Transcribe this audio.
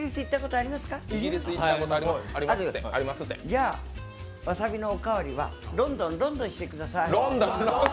じゃあ、わさびのお代わりは、ロンドン、ロンドンしてください。